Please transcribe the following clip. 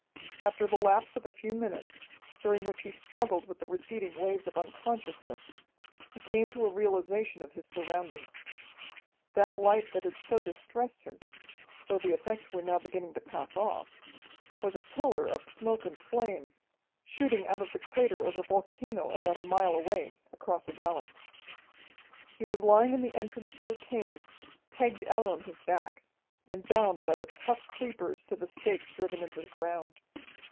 After the lapse of a few minutes, during which he struggled with the receding waves of unconsciousness, he came to a realization of his surroundings. That light that had so distressed him though the effects were now beginning to pass off was a pillar of smoke and flame, shooting out of the crater of a volcano about a mile away, across a valley. He was lying in the entrance to a cave, pegged out on his back, and bound by the tough creepers to the stakes driven into the ground.